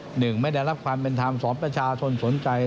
หนึ่งไม่ได้รับความเป็นธรรมสองประชาชนสนใจ